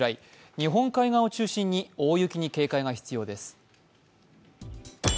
日本海側を中心に大雪に警戒が必要です。